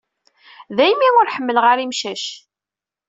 Daymi ur ḥemmleɣ ara imcac.